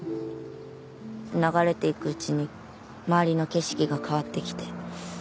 流れていくうちに周りの景色が変わってきて。